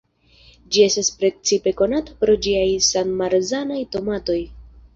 Ĝi estas precipe konata pro ĝiaj san-marzanaj tomatoj.